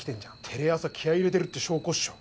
テレ朝気合入れてるって証拠っしょ。